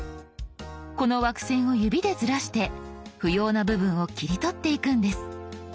この枠線を指でずらして不要な部分を切り取っていくんです。